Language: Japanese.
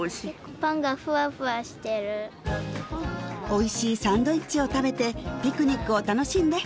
おいしいサンドイッチを食べてピクニックを楽しんで